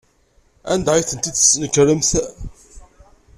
Anda ay tent-id-tesnekremt?